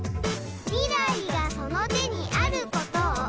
「未来がその手にあることを」